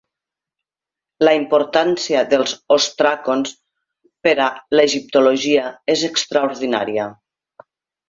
La importància dels òstracons per a l'egiptologia és extraordinària.